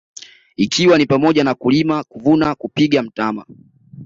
Ikiwa ni pamoja na kulima kuvuna kupiga mtama